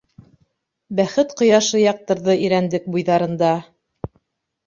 Бәхет ҡояшы яҡтырҙы Ирәндек буйҙарында.